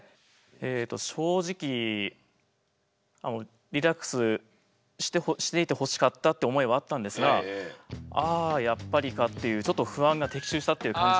えっと正直リラックスしていてほしかったって思いはあったんですがああやっぱりかっていうちょっと不安が的中したっていう感じが。